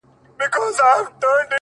• ورځ په ورځ دي شواخون درته ډېرېږی ,